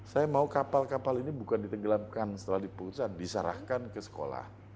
saya mau kapal kapal ini bukan ditenggelamkan setelah diputusan diserahkan ke sekolah